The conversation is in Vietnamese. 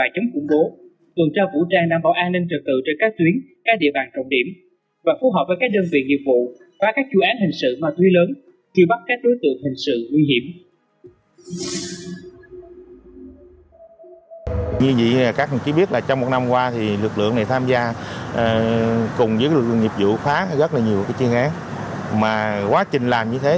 chưa bắt các đối tượng hình sự nguy hiểm